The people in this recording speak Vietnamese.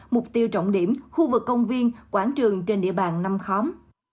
mục tiêu trọng điểm khu vực công viên quảng trường trên địa bàn năm khóm